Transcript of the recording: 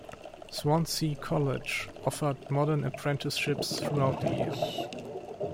Swansea College offered modern apprenticeships throughout the year.